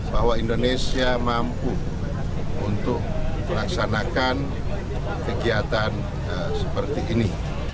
bahwa indonesia mampu untuk melaksanakan kegiatan seperti ini